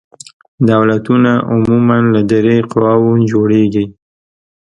دولتونه عموماً له درې قواوو جوړیږي.